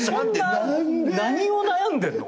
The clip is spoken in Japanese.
何を悩んでるの？